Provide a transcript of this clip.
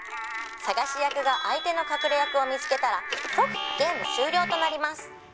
「探し役が相手の隠れ役を見つけたら即ゲーム終了となります」